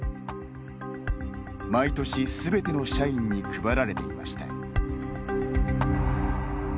毎年、すべての社員に配られていました。